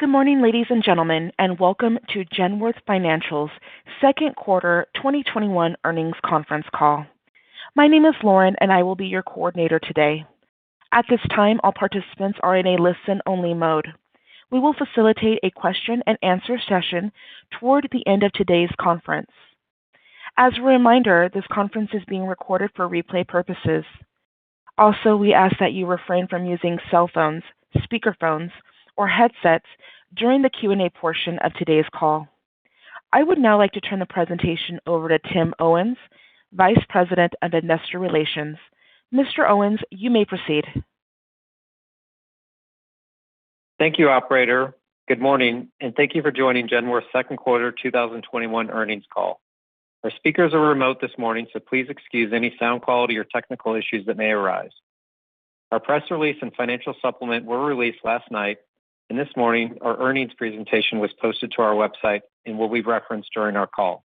Good morning, ladies and gentlemen, and welcome to Genworth Financial's second quarter 2021 earnings conference call. My name is Lauren, and I will be your coordinator today. At this time, all participants are in a listen-only mode. We will facilitate a question and answer session toward the end of today's conference. As a reminder, this conference is being recorded for replay purposes. Also, we ask that you refrain from using cell phones, speakerphones, or headsets during the Q&A portion of today's call. I would now like to turn the presentation over to Tim Owens, Vice President of Investor Relations. Mr. Owens, you may proceed. Thank you, operator. Good morning, and thank you for joining Genworth's second quarter 2021 earnings call. Our speakers are remote this morning. Please excuse any sound quality or technical issues that may arise. Our press release and financial supplement were released last night. This morning, our earnings presentation was posted to our website and will be referenced during our call.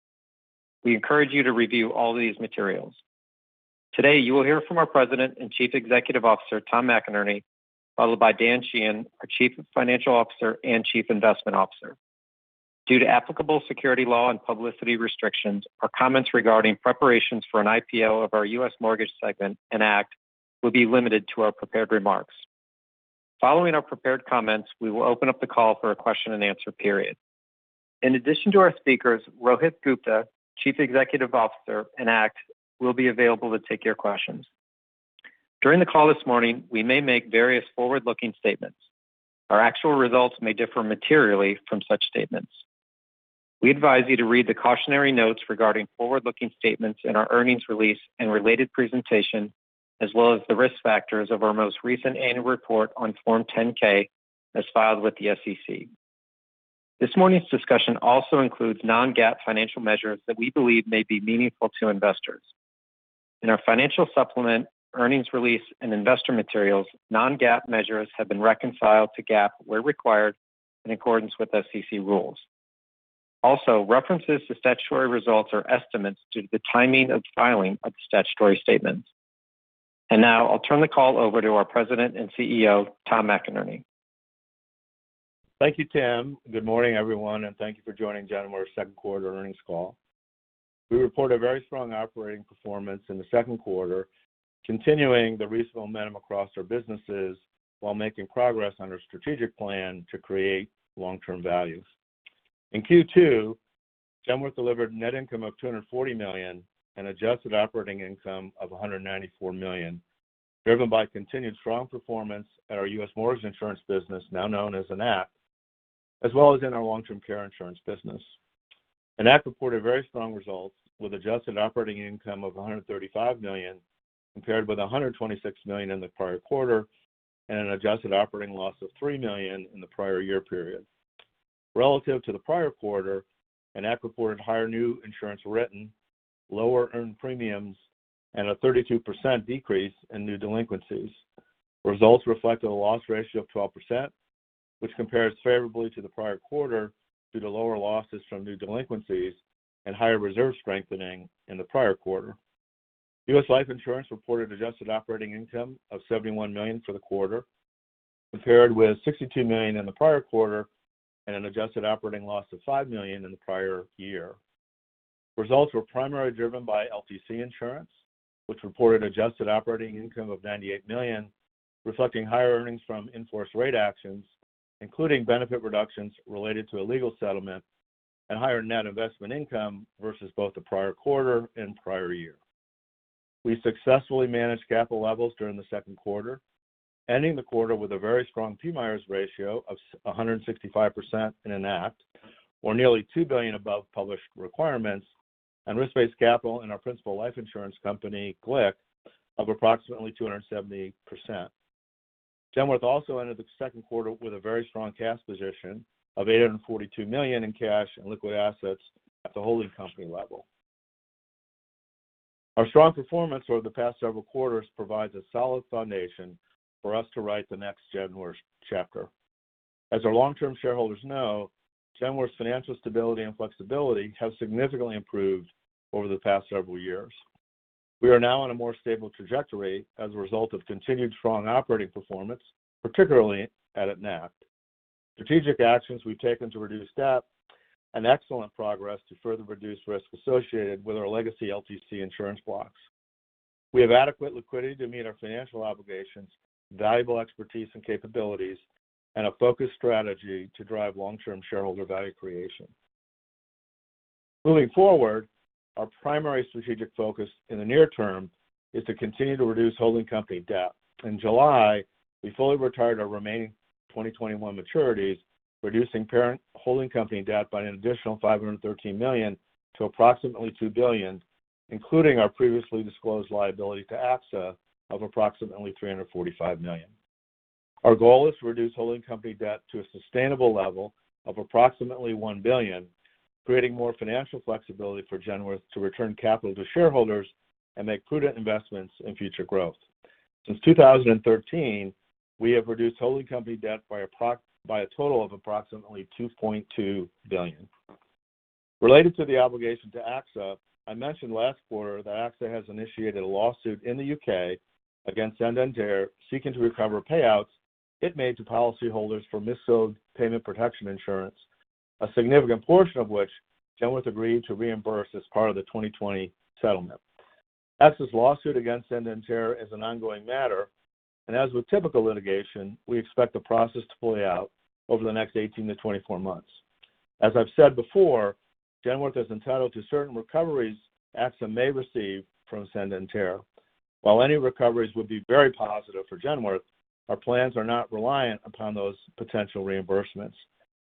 We encourage you to review all these materials. Today, you will hear from our President and Chief Executive Officer, Tom McInerney, followed by Dan Sheehan, our Chief Financial Officer and Chief Investment Officer. Due to applicable security law and publicity restrictions, our comments regarding preparations for an IPO of our U.S. mortgage segment, Enact, will be limited to our prepared remarks. Following our prepared comments, we will open up the call for a question and answer period. In addition to our speakers, Rohit Gupta, Chief Executive Officer, Enact, will be available to take your questions. During the call this morning, we may make various forward-looking statements. Our actual results may differ materially from such statements. We advise you to read the cautionary notes regarding forward-looking statements in our earnings release and related presentation, as well as the risk factors of our most recent annual report on Form 10-K as filed with the SEC. This morning's discussion also includes non-GAAP financial measures that we believe may be meaningful to investors. In our financial supplement, earnings release, and investor materials, non-GAAP measures have been reconciled to GAAP where required in accordance with SEC rules. Also, references to statutory results are estimates due to the timing of the filing of the statutory statements. Now I'll turn the call over to our President and CEO, Tom McInerney. Thank you, Tim. Good morning, everyone, and thank you for joining Genworth's second quarter earnings call. We report a very strong operating performance in the second quarter, continuing the recent momentum across our businesses while making progress on our strategic plan to create long-term value. In Q2, Genworth delivered net income of $240 million and adjusted operating income of $194 million, driven by continued strong performance at our U.S. mortgage insurance business, now known as Enact, as well as in our long-term care insurance business. Enact reported very strong results, with adjusted operating income of $135 million, compared with $126 million in the prior quarter and an adjusted operating loss of $3 million in the prior year period. Relative to the prior quarter, Enact reported higher new insurance written, lower earned premiums, and a 32% decrease in new delinquencies. Results reflect a loss ratio of 12%, which compares favorably to the prior quarter due to lower losses from new delinquencies and higher reserve strengthening in the prior quarter. U.S. life insurance reported adjusted operating income of $71 million for the quarter, compared with $62 million in the prior quarter and an adjusted operating loss of $5 million in the prior year. Results were primarily driven by LTC Insurance, which reported adjusted operating income of $98 million, reflecting higher earnings from in-force rate actions, including benefit reductions related to a legal settlement and higher net investment income versus both the prior quarter and prior year. We successfully managed capital levels during the second quarter, ending the quarter with a very strong PMIERs ratio of 165% in Enact, or nearly $2 billion above published requirements, and risk-based capital in our principal life insurance company, GLIC, of approximately 278%. Genworth also ended the second quarter with a very strong cash position of $842 million in cash and liquid assets at the holding company level. Our strong performance over the past several quarters provides a solid foundation for us to write the next Genworth chapter. As our long-term shareholders know, Genworth's financial stability and flexibility have significantly improved over the past several years. We are now on a more stable trajectory as a result of continued strong operating performance, particularly at Enact, strategic actions we've taken to reduce debt, and excellent progress to further reduce risk associated with our legacy LTC insurance blocks. We have adequate liquidity to meet our financial obligations, valuable expertise and capabilities, and a focused strategy to drive long-term shareholder value creation. Moving forward, our primary strategic focus in the near term is to continue to reduce holding company debt. In July, we fully retired our remaining 2021 maturities, reducing parent holding company debt by an additional $513 million to approximately $2 billion, including our previously disclosed liability to AXA of approximately $345 million. Our goal is to reduce holding company debt to a sustainable level of approximately $1 billion, creating more financial flexibility for Genworth to return capital to shareholders and make prudent investments in future growth. Since 2013, we have reduced holding company debt by a total of approximately $2.2 billion. Related to the obligation to AXA, I mentioned last quarter that AXA has initiated a lawsuit in the U.K. against Santander seeking to recover payouts it made to policyholders for mis-sold payment protection insurance, a significant portion of which Genworth agreed to reimburse as part of the 2020 settlement. AXA's lawsuit against Santander is an ongoing matter, as with typical litigation, we expect the process to play out over the next 18-24 months. As I've said before, Genworth is entitled to certain recoveries AXA may receive from Santander. While any recoveries would be very positive for Genworth, our plans are not reliant upon those potential reimbursements.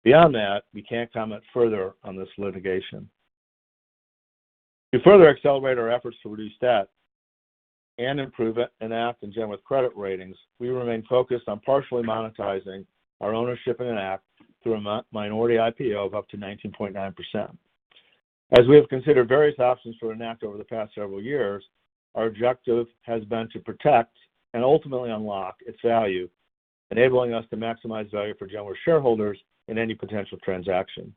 Beyond that, we can't comment further on this litigation. To further accelerate our efforts to reduce debt and improve Enact and Genworth credit ratings, we remain focused on partially monetizing our ownership in Enact through a minority IPO of up to 19.9%. As we have considered various options for Enact over the past several years, our objective has been to protect and ultimately unlock its value, enabling us to maximize value for Genworth shareholders in any potential transaction.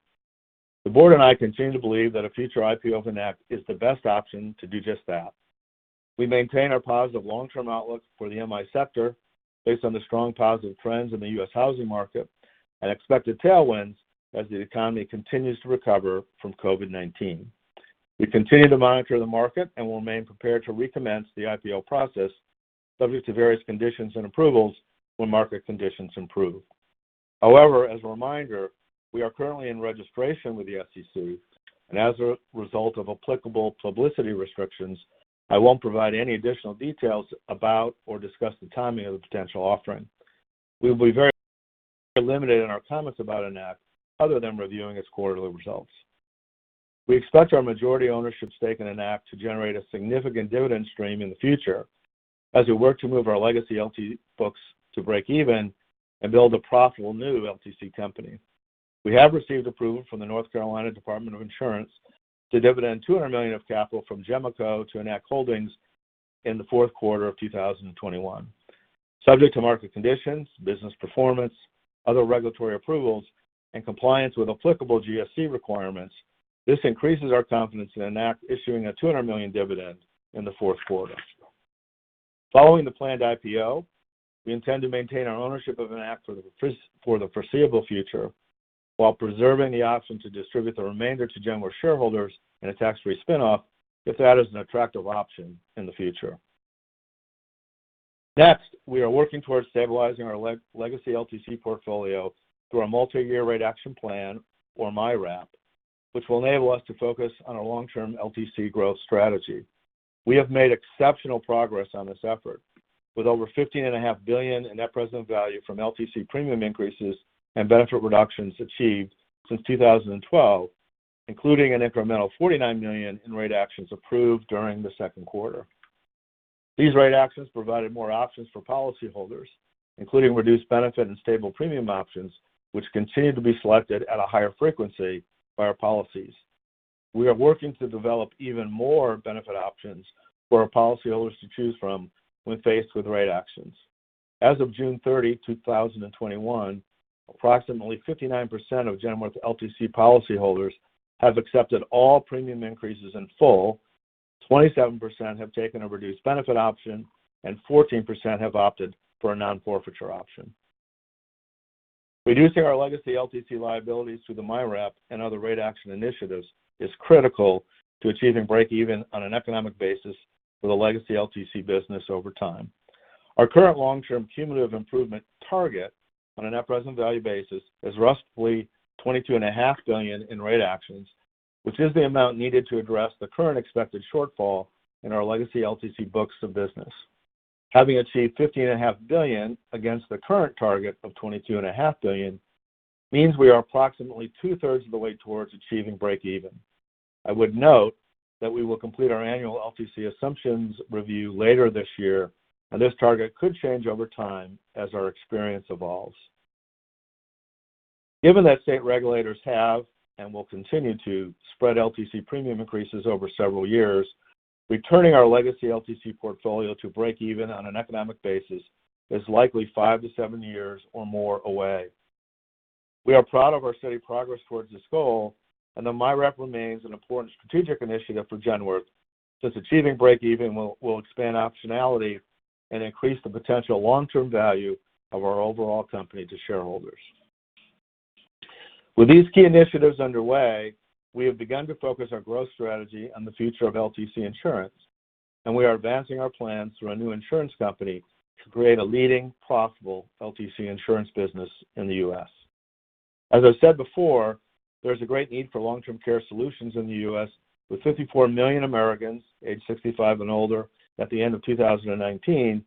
The board and I continue to believe that a future IPO of Enact is the best option to do just that. We maintain our positive long-term outlook for the MI sector based on the strong positive trends in the U.S. housing market and expected tailwinds as the economy continues to recover from COVID-19. We continue to monitor the market and will remain prepared to recommence the IPO process subject to various conditions and approvals when market conditions improve. However, as a reminder, we are currently in registration with the SEC, and as a result of applicable publicity restrictions, I won't provide any additional details about or discuss the timing of the potential offering. We will be very limited in our comments about Enact other than reviewing its quarterly results. We expect our majority ownership stake in Enact to generate a significant dividend stream in the future as we work to move our legacy LTC books to breakeven and build a profitable new LTC company. We have received approval from the North Carolina Department of Insurance to dividend $200 million of capital from GenCo to Enact Holdings in the fourth quarter of 2021. Subject to market conditions, business performance, other regulatory approvals, and compliance with applicable GSE requirements, this increases our confidence in Enact issuing a $200 million dividend in the fourth quarter. Following the planned IPO, we intend to maintain our ownership of Enact for the foreseeable future while preserving the option to distribute the remainder to Genworth shareholders in a tax-free spinoff if that is an attractive option in the future. Next, we are working towards stabilizing our legacy LTC portfolio through a multi-year rate action plan or MYRAP, which will enable us to focus on our long-term LTC growth strategy. We have made exceptional progress on this effort with over $15.5 billion in net present value from LTC premium increases and benefit reductions achieved since 2012, including an incremental $49 million in rate actions approved during the second quarter. These rate actions provided more options for policyholders, including reduced benefit and stable premium options, which continue to be selected at a higher frequency by our policies. We are working to develop even more benefit options for our policyholders to choose from when faced with rate actions. As of June 30, 2021, approximately 59% of Genworth LTC policyholders have accepted all premium increases in full, 27% have taken a reduced benefit option, and 14% have opted for a nonforfeiture option. Reducing our legacy LTC liabilities through the MYRAP and other rate action initiatives is critical to achieving breakeven on an economic basis for the legacy LTC business over time. Our current long-term cumulative improvement target on a net present value basis is roughly $22.5 billion in rate actions, which is the amount needed to address the current expected shortfall in our legacy LTC books of business. Having achieved $15.5 billion against the current target of $22.5 billion means we are approximately two-thirds of the way towards achieving breakeven. I would note that we will complete our annual LTC assumptions review later this year, and this target could change over time as our experience evolves. Given that state regulators have and will continue to spread LTC premium increases over several years, returning our legacy LTC portfolio to breakeven on an economic basis is likely five-seven years or more away. We are proud of our steady progress towards this goal, the MYRAP remains an important strategic initiative for Genworth since achieving breakeven will expand optionality and increase the potential long-term value of our overall company to shareholders. With these key initiatives underway, we have begun to focus our growth strategy on the future of LTC insurance, we are advancing our plans through our new insurance company to create a leading profitable LTC insurance business in the U.S. As I said before, there's a great need for long-term care solutions in the U.S., with 54 million Americans aged 65 and older at the end of 2019,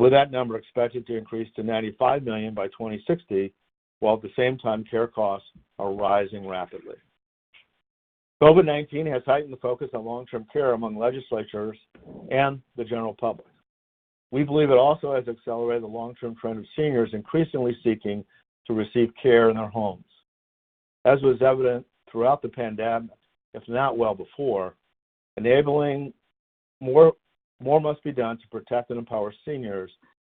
with that number expected to increase to 95 million by 2060, while at the same time, care costs are rising rapidly. COVID-19 has heightened the focus on long-term care among legislatures and the general public. We believe it also has accelerated the long-term trend of seniors increasingly seeking to receive care in their homes. As was evident throughout the pandemic, if not well before, More must be done to protect and empower seniors,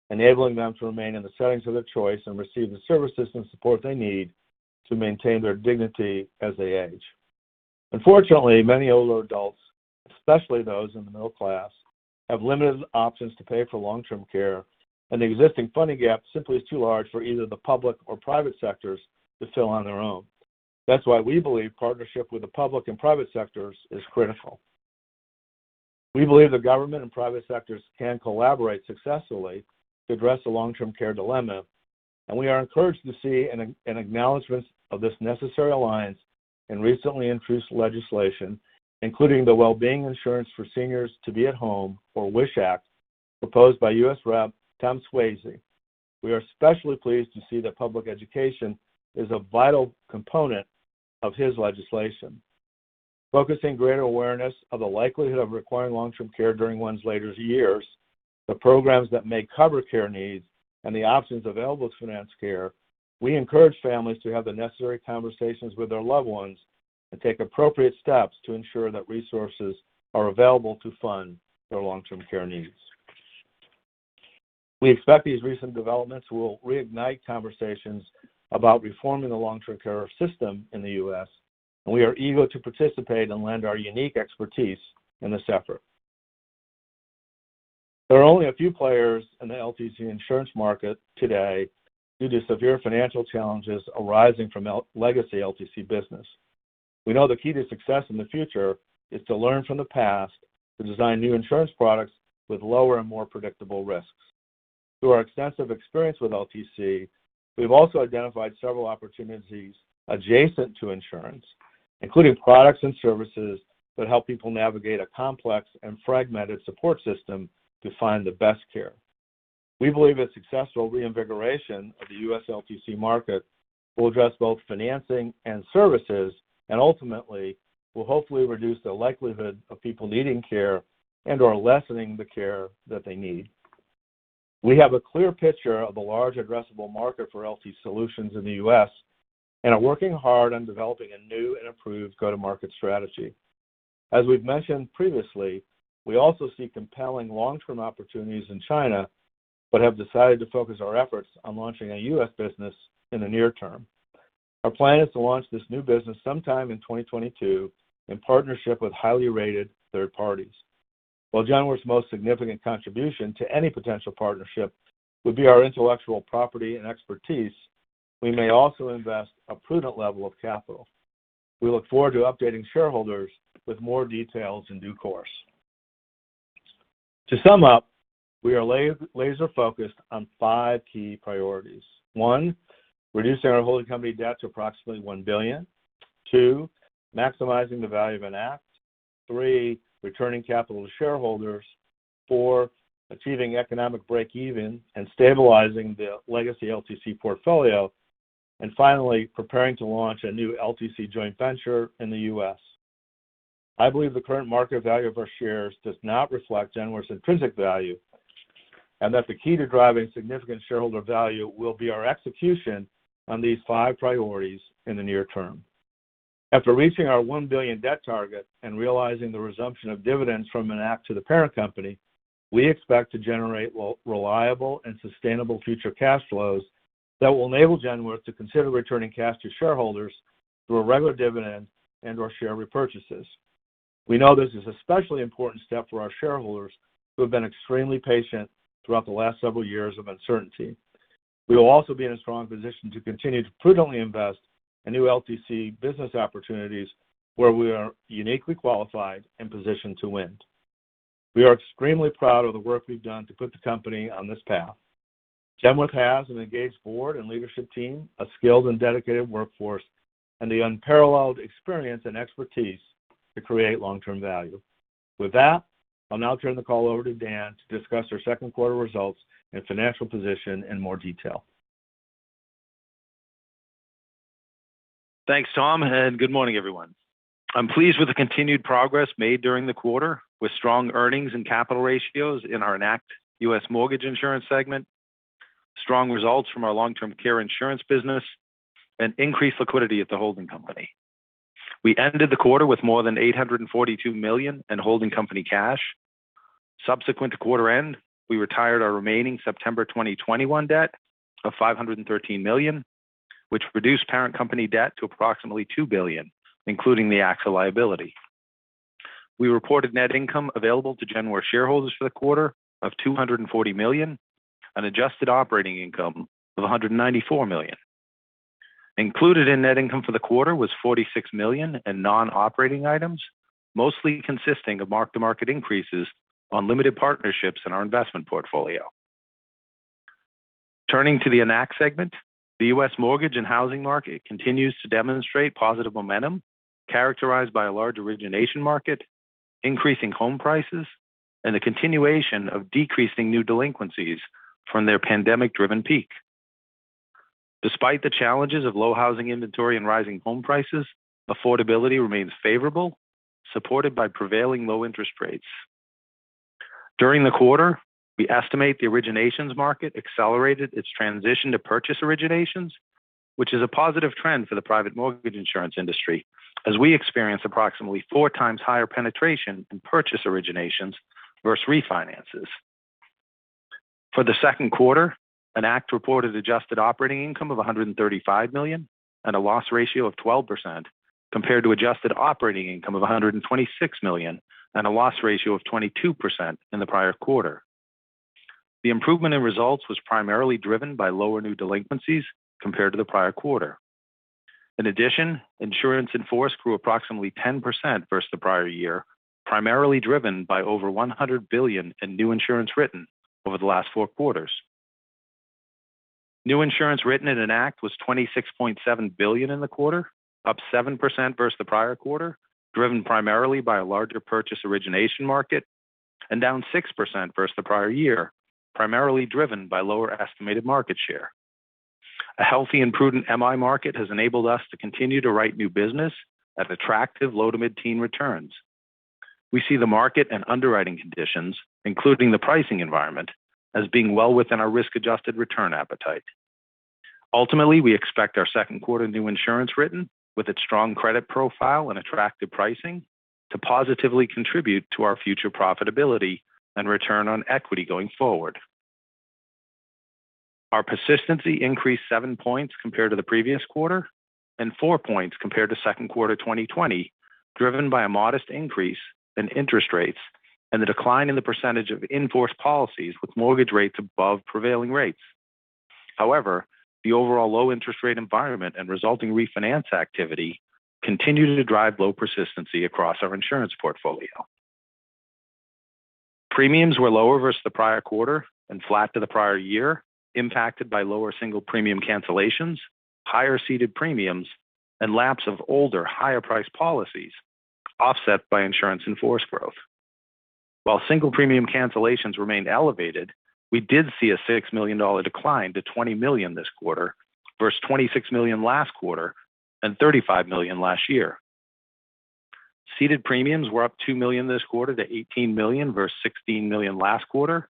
enabling them to remain in the settings of their choice and receive the services and support they need to maintain their dignity as they age. Unfortunately, many older adults, especially those in the middle class, have limited options to pay for long-term care. The existing funding gap simply is too large for either the public or private sectors to fill on their own. That's why we believe partnership with the public and private sectors is critical. We believe the government and private sectors can collaborate successfully to address the long-term care dilemma, and we are encouraged to see an acknowledgment of this necessary alliance in recently introduced legislation, including the Well-Being Insurance for Seniors to be at Home, or WISH Act, proposed by U.S. Rep. Tom Suozzi. We are especially pleased to see that public education is a vital component of his legislation. Focusing greater awareness of the likelihood of requiring long-term care during one's later years, the programs that may cover care needs, and the options available to finance care, we encourage families to have the necessary conversations with their loved ones and take appropriate steps to ensure that resources are available to fund their long-term care needs. We expect these recent developments will reignite conversations about reforming the long-term care system in the U.S., and we are eager to participate and lend our unique expertise in this effort. There are only a few players in the LTC insurance market today due to severe financial challenges arising from legacy LTC business. We know the key to success in the future is to learn from the past to design new insurance products with lower and more predictable risks. Through our extensive experience with LTC, we've also identified several opportunities adjacent to insurance, including products and services that help people navigate a complex and fragmented support system to find the best care. We believe a successful reinvigoration of the U.S. LTC market will address both financing and services, and ultimately, will hopefully reduce the likelihood of people needing care and/or lessening the care that they need. We have a clear picture of the large addressable market for LTC solutions in the U.S. and are working hard on developing a new and improved go-to-market strategy. As we've mentioned previously, we also see compelling long-term opportunities in China but have decided to focus our efforts on launching a U.S. business in the near term. Our plan is to launch this new business sometime in 2022 in partnership with highly rated third parties. While Genworth's most significant contribution to any potential partnership would be our intellectual property and expertise, we may also invest a prudent level of capital. We look forward to updating shareholders with more details in due course. To sum up, we are laser-focused on five key priorities. 1. Reducing our holding company debt to approximately $1 billion. 2. Maximizing the value of Enact. 3. Returning capital to shareholders. Four, achieving economic breakeven and stabilizing the legacy LTC portfolio. Finally, preparing to launch a new LTC joint venture in the U.S. I believe the current market value of our shares does not reflect Genworth's intrinsic value and that the key to driving significant shareholder value will be our execution on these five priorities in the near term. After reaching our $1 billion debt target and realizing the resumption of dividends from Enact to the parent company, we expect to generate reliable and sustainable future cash flows that will enable Genworth to consider returning cash to shareholders through a regular dividend and/or share repurchases. We know this is an especially important step for our shareholders who have been extremely patient throughout the last several years of uncertainty. We will also be in a strong position to continue to prudently invest in new LTC business opportunities where we are uniquely qualified and positioned to win. We are extremely proud of the work we've done to put the company on this path. Genworth has an engaged board and leadership team, a skilled and dedicated workforce, and the unparalleled experience and expertise to create long-term value. With that, I'll now turn the call over to Dan to discuss our second quarter results and financial position in more detail. Thanks, Tom, and good morning, everyone. I'm pleased with the continued progress made during the quarter, with strong earnings and capital ratios in our Enact U.S. mortgage insurance segment, strong results from our long-term care insurance business, and increased liquidity at the holding company. We ended the quarter with more than $842 million in holding company cash. Subsequent to quarter end, we retired our remaining September 2021 debt of $513 million, which reduced parent company debt to approximately $2 billion, including the AXA liability. We reported net income available to Genworth shareholders for the quarter of $240 million and adjusted operating income of $194 million. Included in net income for the quarter was $46 million in non-operating items, mostly consisting of mark-to-market increases on limited partnerships in our investment portfolio. Turning to the Enact segment, the U.S. mortgage and housing market continues to demonstrate positive momentum, characterized by a large origination market, increasing home prices, and the continuation of decreasing new delinquencies from their pandemic-driven peak. Despite the challenges of low housing inventory and rising home prices, affordability remains favorable, supported by prevailing low interest rates. During the quarter, we estimate the originations market accelerated its transition to purchase originations, which is a positive trend for the private mortgage insurance industry as we experience approximately four times higher penetration in purchase originations versus refinances. For the second quarter, Enact reported adjusted operating income of $135 million and a loss ratio of 12%, compared to adjusted operating income of $126 million and a loss ratio of 22% in the prior quarter. The improvement in results was primarily driven by lower new delinquencies compared to the prior quarter. In addition, insurance in force grew approximately 10% versus the prior year, primarily driven by over $100 billion in new insurance written over the last four quarters. New insurance written in Enact was $26.7 billion in the quarter, up 7% versus the prior quarter, driven primarily by a larger purchase origination market and down 6% versus the prior year, primarily driven by lower estimated market share. A healthy and prudent MI market has enabled us to continue to write new business at attractive low to mid-teen returns. We see the market and underwriting conditions, including the pricing environment, as being well within our risk-adjusted return appetite. Ultimately, we expect our second quarter new insurance written, with its strong credit profile and attractive pricing, to positively contribute to our future profitability and return on equity going forward. Our persistency increased 7 points compared to the previous quarter and 4 points compared to second quarter 2020, driven by a modest increase in interest rates and the decline in the percentage of in-force policies with mortgage rates above prevailing rates. However, the overall low interest rate environment and resulting refinance activity continue to drive low persistency across our insurance portfolio. Premiums were lower versus the prior quarter and flat to the prior year, impacted by lower single premium cancellations, higher ceded premiums, and lapse of older, higher priced policies offset by insurance in-force growth. While single premium cancellations remained elevated, we did see a $6 million decline to $20 million this quarter versus $26 million last quarter and $35 million last year. Ceded premiums were up $2 million this quarter to $18 million versus $16 million last quarter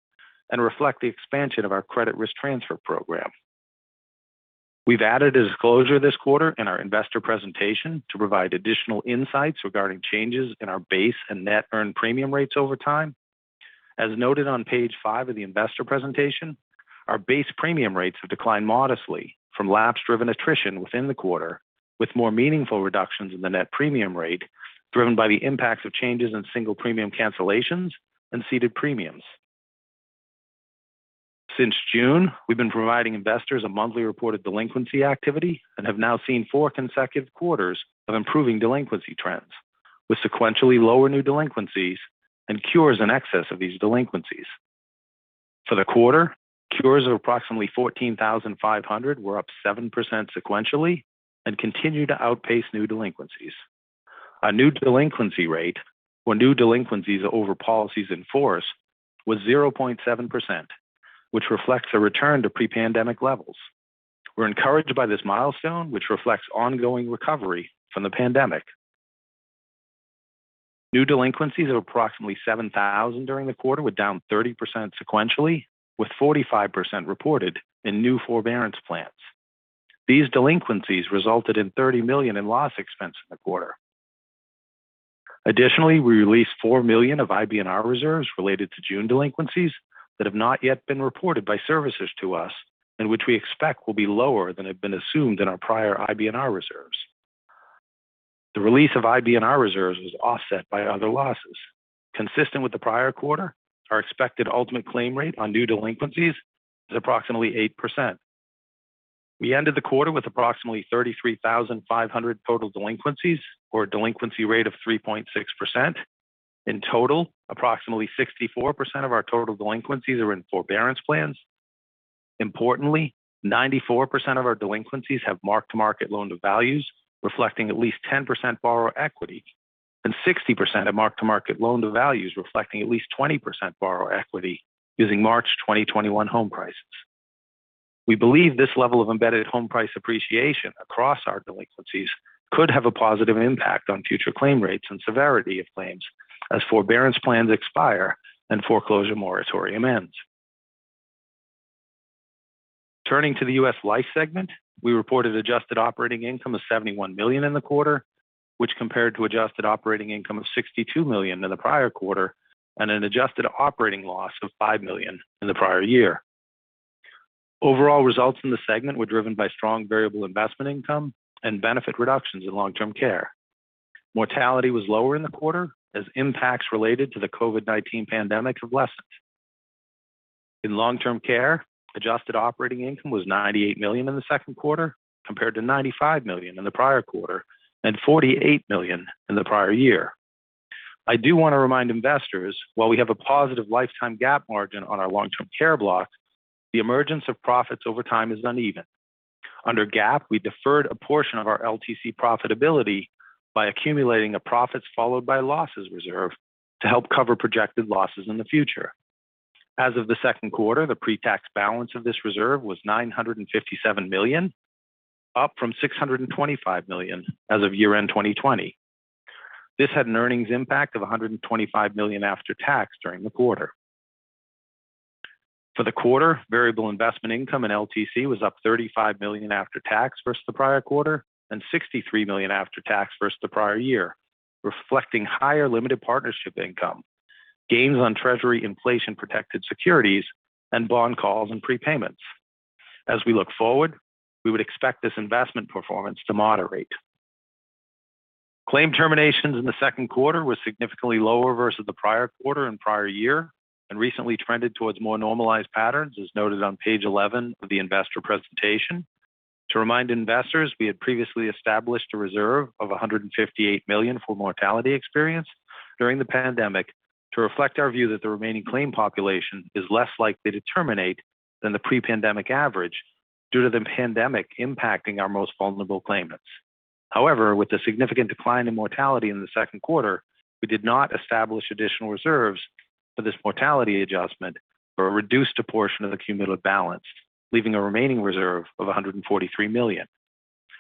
and reflect the expansion of our credit risk transfer program. We've added a disclosure this quarter in our investor presentation to provide additional insights regarding changes in our base and net earned premium rates over time. As noted on page five of the investor presentation, our base premium rates have declined modestly from lapse-driven attrition within the quarter, with more meaningful reductions in the net premium rate driven by the impacts of changes in single premium cancellations and ceded premiums. Since June, we've been providing investors a monthly reported delinquency activity and have now seen four consecutive quarters of improving delinquency trends with sequentially lower new delinquencies and cures in excess of these delinquencies. For the quarter, cures of approximately 14,500 were up 7% sequentially and continue to outpace new delinquencies. Our new delinquency rate for new delinquencies over policies in force was 0.7%, which reflects a return to pre-pandemic levels. We're encouraged by this milestone, which reflects ongoing recovery from the pandemic. New delinquencies of approximately 7,000 during the quarter were down 30% sequentially, with 45% reported in new forbearance plans. These delinquencies resulted in $30 million in loss expense in the quarter. Additionally, we released $4 million of IBNR reserves related to June delinquencies that have not yet been reported by servicers to us and which we expect will be lower than had been assumed in our prior IBNR reserves. The release of IBNR reserves was offset by other losses. Consistent with the prior quarter, our expected ultimate claim rate on new delinquencies is approximately 8%. We ended the quarter with approximately 33,500 total delinquencies or a delinquency rate of 3.6%. In total, approximately 64% of our total delinquencies are in forbearance plans. Importantly, 94% of our delinquencies have mark-to-market loan-to-values reflecting at least 10% borrower equity and 60% of mark-to-market loan-to-values reflecting at least 20% borrower equity using March 2021 home prices. We believe this level of embedded home price appreciation across our delinquencies could have a positive impact on future claim rates and severity of claims as forbearance plans expire and foreclosure moratorium ends. Turning to the U.S. Life segment, we reported adjusted operating income of $71 million in the quarter, which compared to adjusted operating income of $62 million in the prior quarter and an adjusted operating loss of $5 million in the prior year. Overall results in the segment were driven by strong variable investment income and benefit reductions in long-term care. Mortality was lower in the quarter as impacts related to the COVID-19 pandemic have lessened. In long-term care, adjusted operating income was $98 million in the second quarter compared to $95 million in the prior quarter and $48 million in the prior year. I do want to remind investors, while we have a positive lifetime GAAP margin on our long-term care block, the emergence of profits over time is uneven. Under GAAP, we deferred a portion of our LTC profitability by accumulating a profits followed by losses reserve to help cover projected losses in the future. As of the second quarter, the pre-tax balance of this reserve was $957 million up from $625 million as of year-end 2020. This had an earnings impact of $125 million after tax during the quarter. For the quarter, variable investment income in LTC was up $35 million after tax versus the prior quarter, and $63 million after tax versus the prior year, reflecting higher limited partnership income, gains on treasury inflation-protected securities, and bond calls and prepayments. As we look forward, we would expect this investment performance to moderate. Claim terminations in the second quarter were significantly lower versus the prior quarter and prior year, and recently trended towards more normalized patterns, as noted on page 11 of the investor presentation. To remind investors, we had previously established a reserve of $158 million for mortality experience during the pandemic to reflect our view that the remaining claim population is less likely to terminate than the pre-pandemic average due to the pandemic impacting our most vulnerable claimants. However, with the significant decline in mortality in the second quarter, we did not establish additional reserves for this mortality adjustment or reduced a portion of the cumulative balance, leaving a remaining reserve of $143 million.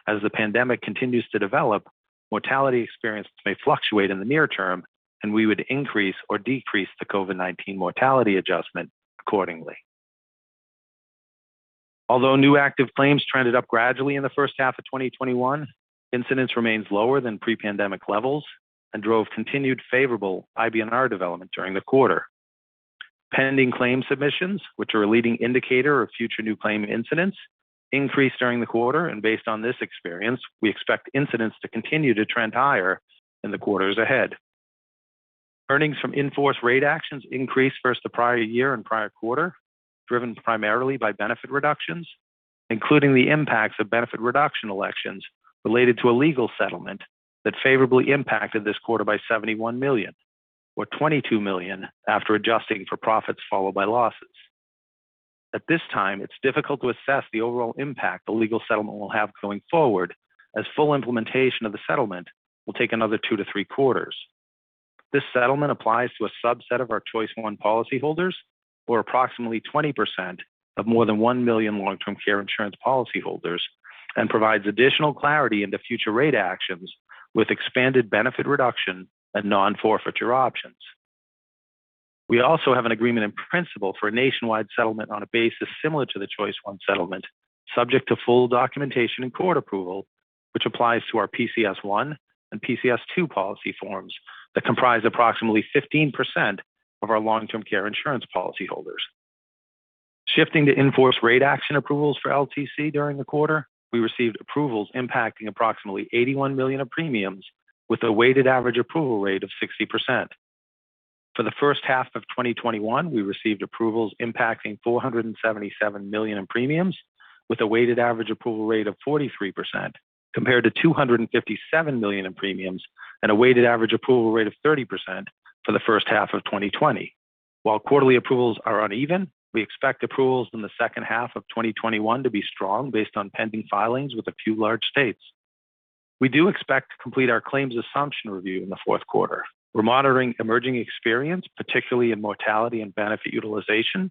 As the pandemic continues to develop, mortality experience may fluctuate in the near term, and we would increase or decrease the COVID-19 mortality adjustment accordingly. Although new active claims trended up gradually in the first half of 2021, incidence remains lower than pre-pandemic levels and drove continued favorable IBNR development during the quarter. Pending claim submissions, which are a leading indicator of future new claim incidents, increased during the quarter, and based on this experience, we expect incidents to continue to trend higher in the quarters ahead. Earnings from in-force rate actions increased versus the prior year and prior quarter, driven primarily by benefit reductions, including the impacts of benefit reduction elections related to a legal settlement that favorably impacted this quarter by $71 million or $22 million after adjusting for profits followed by losses. At this time, it's difficult to assess the overall impact the legal settlement will have going forward, as full implementation of the settlement will take another two to three quarters. This settlement applies to a subset of our Choice I policyholders or approximately 20% of more than 1 million long-term care insurance policyholders and provides additional clarity into future rate actions with expanded benefit reduction and non-forfeiture options. We also have an agreement in principle for a nationwide settlement on a basis similar to the Choice I settlement, subject to full documentation and court approval, which applies to our PCS I and PCS II policy forms that comprise approximately 15% of our long-term care insurance policyholders. Shifting to in-force rate action approvals for LTC during the quarter, we received approvals impacting approximately $81 million of premiums with a weighted average approval rate of 60%. For the first half of 2021, we received approvals impacting $477 million in premiums with a weighted average approval rate of 43%, compared to $257 million in premiums and a weighted average approval rate of 30% for the first half of 2020. While quarterly approvals are uneven, we expect approvals in the second half of 2021 to be strong based on pending filings with a few large states. We do expect to complete our claims assumption review in the fourth quarter. We're monitoring emerging experience, particularly in mortality and benefit utilization.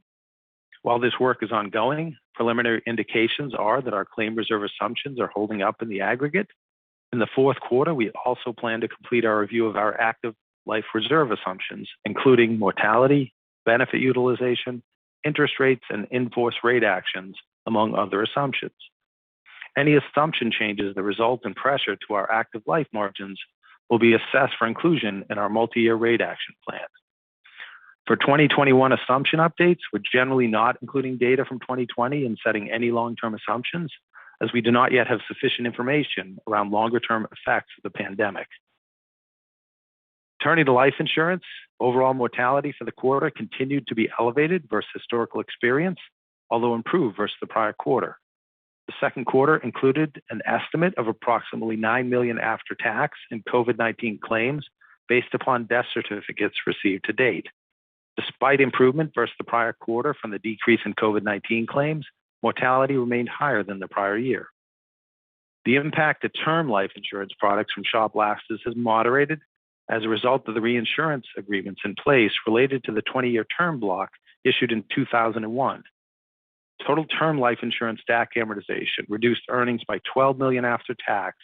While this work is ongoing, preliminary indications are that our claim reserve assumptions are holding up in the aggregate. In the fourth quarter, we also plan to complete our review of our active life reserve assumptions, including mortality, benefit utilization, interest rates, and in-force rate actions, among other assumptions. Any assumption changes that result in pressure to our active life margins will be assessed for inclusion in our multi-year rate action plans. For 2021 assumption updates, we're generally not including data from 2020 in setting any long-term assumptions, as we do not yet have sufficient information around longer-term effects of the pandemic. Turning to life insurance, overall mortality for the quarter continued to be elevated versus historical experience, although improved versus the prior quarter. The second quarter included an estimate of approximately $9 million after tax in COVID-19 claims based upon death certificates received to date. Despite improvement versus the prior quarter from the decrease in COVID-19 claims, mortality remained higher than the prior year. The impact to term life insurance products from shock lapses has moderated as a result of the reinsurance agreements in place related to the 20-year term block issued in 2001. Total term life insurance DAC amortization reduced earnings by $12 million after tax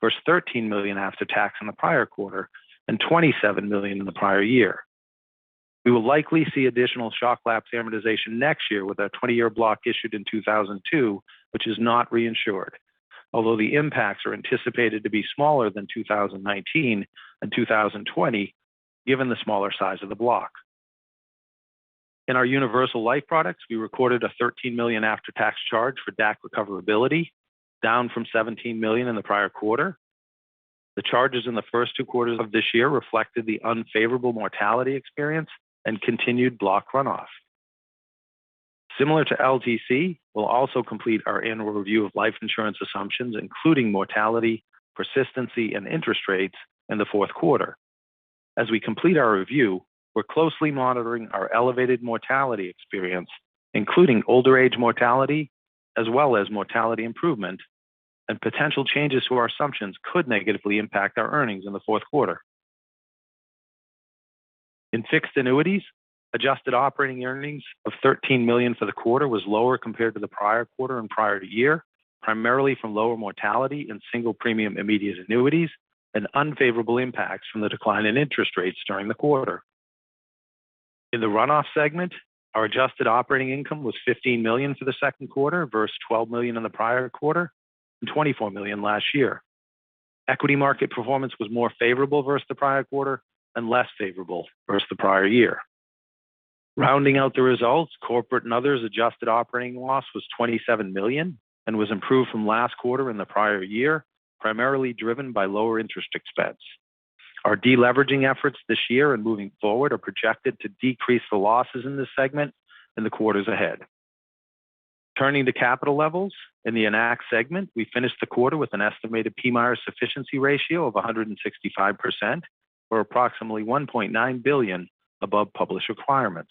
versus $13 million after tax in the prior quarter and $27 million in the prior year. We will likely see additional shock lapse amortization next year with our 20-year block issued in 2002, which is not reinsured, although the impacts are anticipated to be smaller than 2019 and 2020 given the smaller size of the block. In our universal life products, we recorded a $13 million after-tax charge for DAC recoverability, down from $17 million in the prior quarter. The charges in the first two quarters of this year reflected the unfavorable mortality experience and continued block runoff. Similar to LTC, we'll also complete our annual review of life insurance assumptions, including mortality, persistency, and interest rates in the fourth quarter. As we complete our review, we're closely monitoring our elevated mortality experience, including older age mortality, as well as mortality improvement, and potential changes to our assumptions could negatively impact our earnings in the fourth quarter. In fixed annuities, adjusted operating earnings of $13 million for the quarter was lower compared to the prior quarter and prior to year, primarily from lower mortality in single premium immediate annuities and unfavorable impacts from the decline in interest rates during the quarter. In the runoff segment, our adjusted operating income was $15 million for the second quarter versus $12 million in the prior quarter and $24 million last year. Equity market performance was more favorable versus the prior quarter and less favorable versus the prior year. Rounding out the results, corporate and others adjusted operating loss was $27 million and was improved from last quarter and the prior year, primarily driven by lower interest expense. Our de-leveraging efforts this year and moving forward are projected to decrease the losses in this segment in the quarters ahead. Turning to capital levels, in the Enact segment, we finished the quarter with an estimated PMIER sufficiency ratio of 165%, or approximately $1.9 billion above published requirements.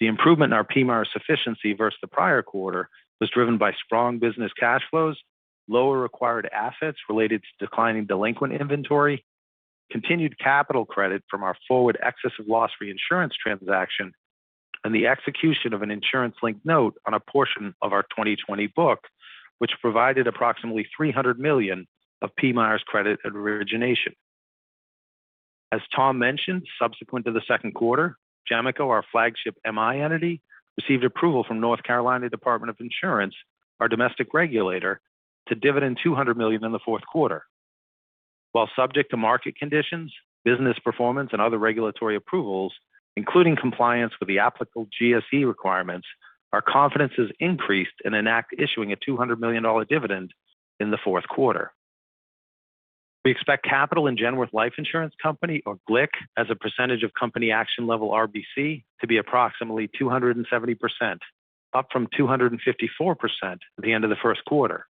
The improvement in our PMIERs sufficiency versus the prior quarter was driven by strong business cash flows, lower required assets related to declining delinquent inventory, continued capital credit from our forward excess of loss reinsurance transaction, and the execution of an insurance linked note on a portion of our 2020 book, which provided approximately $300 million of PMIERs' credit at origination. As Tom mentioned, subsequent to the second quarter, GEMICO, our flagship MI entity, received approval from North Carolina Department of Insurance, our domestic regulator, to dividend $200 million in the fourth quarter. While subject to market conditions, business performance, and other regulatory approvals, including compliance with the applicable GSE requirements, our confidence is increased in Enact issuing a $200 million dividend in the fourth quarter. We expect capital in Genworth Life Insurance Company, or GLIC, as a percentage of company action level RBC to be approximately 270%, up from 254% at the end of the first quarter.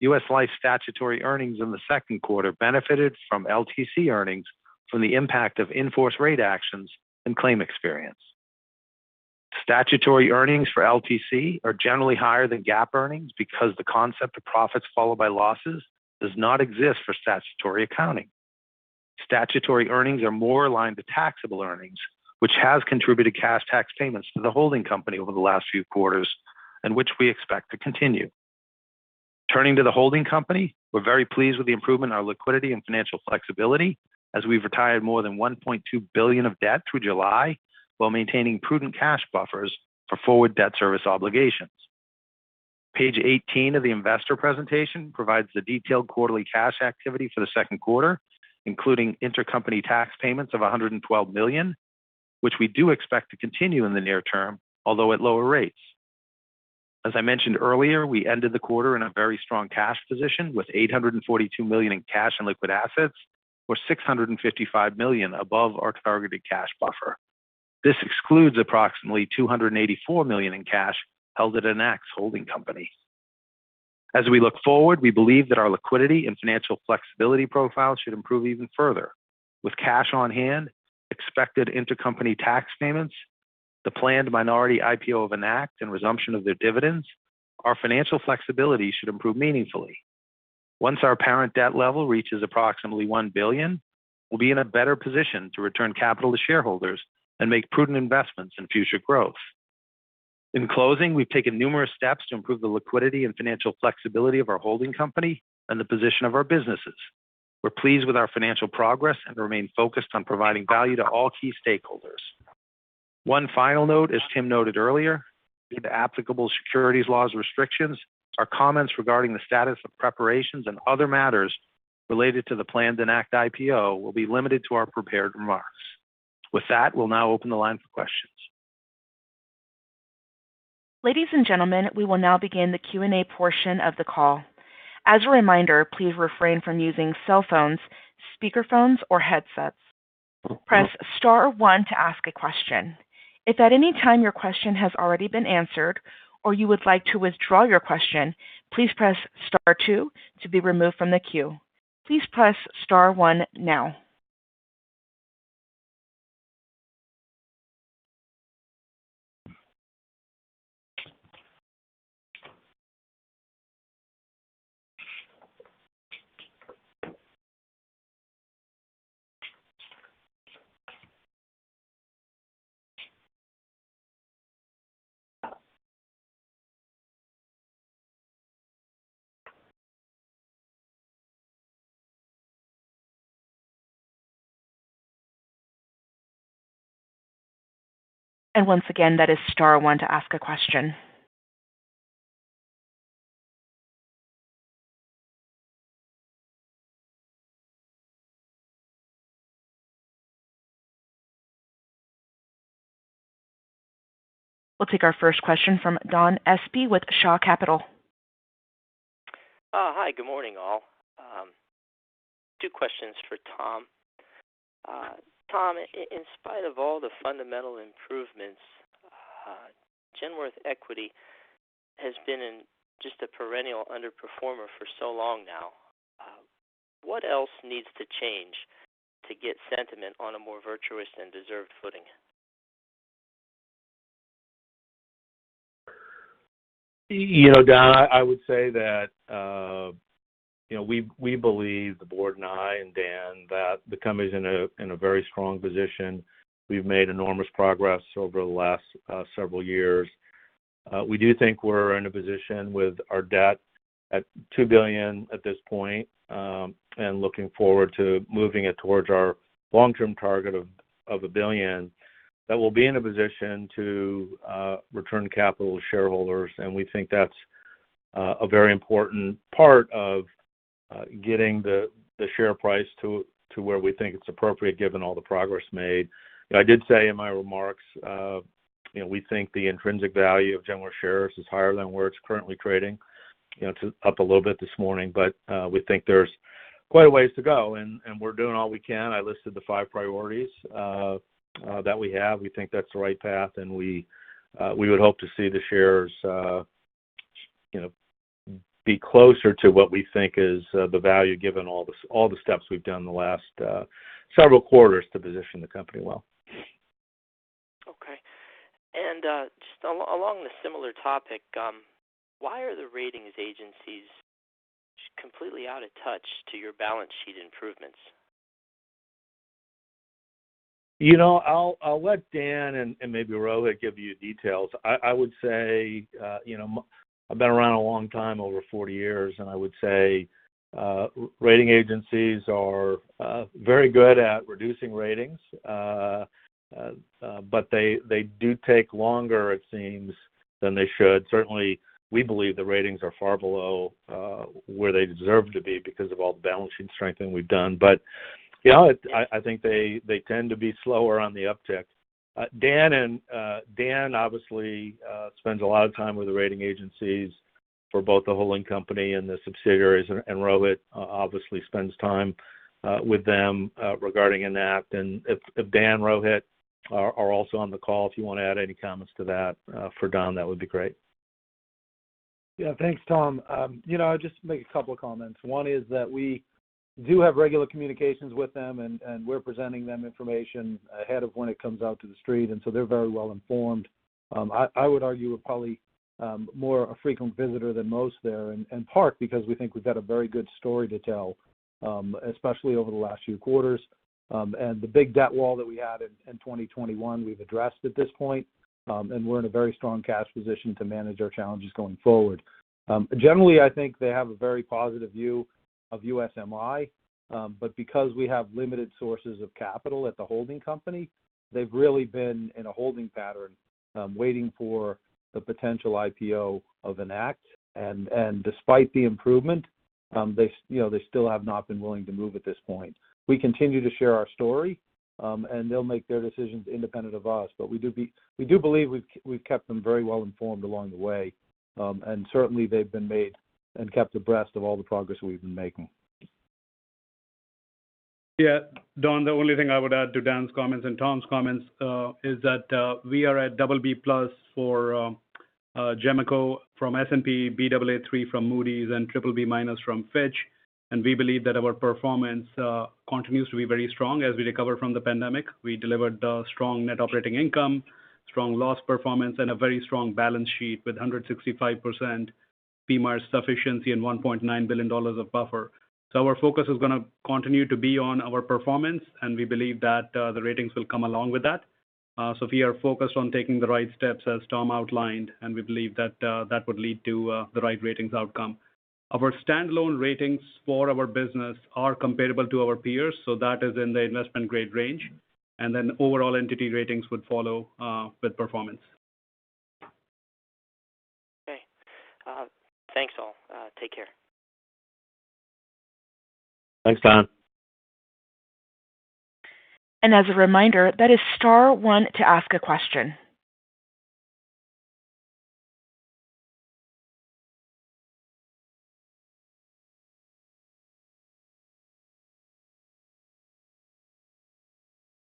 U.S. Life statutory earnings in the second quarter benefited from LTC earnings from the impact of in-force rate actions and claim experience. Statutory earnings for LTC are generally higher than GAAP earnings because the concept of profits followed by losses does not exist for statutory accounting. Statutory earnings are more aligned to taxable earnings, which has contributed cash tax payments to the holding company over the last few quarters, and which we expect to continue. Turning to the holding company, we're very pleased with the improvement in our liquidity and financial flexibility as we've retired more than $1.2 billion of debt through July while maintaining prudent cash buffers for forward debt service obligations. Page 18 of the investor presentation provides the detailed quarterly cash activity for the second quarter, including intercompany tax payments of $112 million, which we do expect to continue in the near term, although at lower rates. As I mentioned earlier, we ended the quarter in a very strong cash position with $842 million in cash and liquid assets or $655 million above our targeted cash buffer. This excludes approximately $284 million in cash held at Enact's holding company. As we look forward, we believe that our liquidity and financial flexibility profile should improve even further. With cash on hand, expected intercompany tax payments, the planned minority IPO of Enact, and resumption of their dividends, our financial flexibility should improve meaningfully. Once our parent debt level reaches approximately $1 billion, we'll be in a better position to return capital to shareholders and make prudent investments in future growth. In closing, we've taken numerous steps to improve the liquidity and financial flexibility of our holding company and the position of our businesses. We're pleased with our financial progress and remain focused on providing value to all key stakeholders. One final note, as Tim noted earlier, due to applicable securities laws restrictions, our comments regarding the status of preparations and other matters related to the planned Enact IPO will be limited to our prepared remarks. With that, we'll now open the line for questions. Ladies and gentlemen, we will now begin the Q&A portion of the call. As a reminder, please refrain from using cell phones, speaker phones, or headsets. We'll take our first question from Don Espey with Shah Capital. Hi, good morning, all. Two questions for Tom. Tom, in spite of all the fundamental improvements, Genworth equity has been just a perennial underperformer for so long now. What else needs to change to get sentiment on a more virtuous and deserved footing? Don, I would say that we believe, the board and I and Dan, that the company's in a very strong position. We've made enormous progress over the last several years. We do think we're in a position with our debt at $2 billion at this point, and looking forward to moving it towards our long-term target of $1 billion, that we'll be in a position to return capital to shareholders. We think that's a very important part of getting the share price to where we think it's appropriate, given all the progress made. I did say in my remarks we think the intrinsic value of Genworth shares is higher than where it's currently trading. It's up a little bit this morning, but we think there's quite a ways to go, and we're doing all we can. I listed the five priorities that we have. We think that's the right path, and we would hope to see the shares be closer to what we think is the value, given all the steps we've done in the last several quarters to position the company well. Okay. Just along the similar topic, why are the ratings agencies completely out of touch to your balance sheet improvements? I'll let Dan and maybe Rohit give you details. I've been around a long time, over 40 years. I would say rating agencies are very good at reducing ratings. They do take longer, it seems, than they should. Certainly, we believe the ratings are far below where they deserve to be because of all the balance sheet strengthening we've done. Yeah, I think they tend to be slower on the uptick. Dan obviously spends a lot of time with the rating agencies for both the holding company and the subsidiaries, and Rohit obviously spends time with them regarding Enact. If Dan, Rohit, are also on the call, if you want to add any comments to that for Don, that would be great. Yeah. Thanks, Tom. I'll just make a couple of comments. One is that we do have regular communications with them. We're presenting them information ahead of when it comes out to the street, so they're very well-informed. I would argue we're probably more a frequent visitor than most there, in part because we think we've got a very good story to tell, especially over the last few quarters. The big debt wall that we had in 2021, we've addressed at this point. We're in a very strong cash position to manage our challenges going forward. Generally, I think they have a very positive view of USMI. Because we have limited sources of capital at the holding company, they've really been in a holding pattern, waiting for the potential IPO of Enact. Despite the improvement, they still have not been willing to move at this point. We continue to share our story, and they'll make their decisions independent of us. We do believe we've kept them very well-informed along the way. Certainly they've been made and kept abreast of all the progress we've been making. Don, the only thing I would add to Dan's comments and Tom's comments is that we are at BB+ for GEMICO from S&P, Baa3 from Moody's, and BBB- from Fitch. We believe that our performance continues to be very strong as we recover from the pandemic. We delivered a strong net operating income, strong loss performance, and a very strong balance sheet with 165% PMIERs sufficiency and $1.9 billion of buffer. Our focus is going to continue to be on our performance, and we believe that the ratings will come along with that. We are focused on taking the right steps, as Tom outlined, and we believe that that would lead to the right ratings outcome. Our standalone ratings for our business are comparable to our peers, that is in the investment grade range. Overall entity ratings would follow with performance. Okay. Thanks, all. Take care. Thanks, Don. As a reminder, that is star one to ask a question.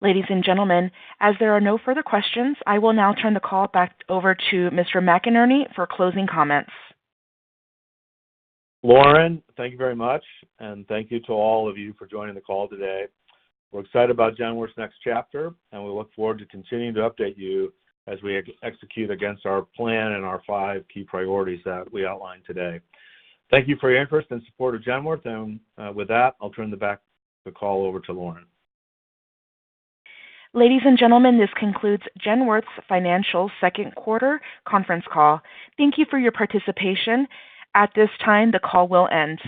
Ladies and gentlemen, as there are no further questions, I will now turn the call back over to Mr. McInerney for closing comments. Lauren, thank you very much. Thank you to all of you for joining the call today. We're excited about Genworth's next chapter, and we look forward to continuing to update you as we execute against our plan and our five key priorities that we outlined today. Thank you for your interest and support of Genworth. With that, I'll turn the call back over to Lauren. Ladies and gentlemen, this concludes Genworth Financial's second quarter conference call. Thank you for your participation. At this time, the call will end.